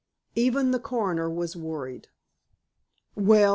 Even the coroner was worried. "Well!"